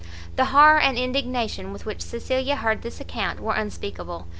The horror and indignation with which Cecilia heard this account were unspeakable.